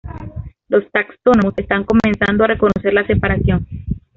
Los taxónomos están comenzando a reconocer la separación.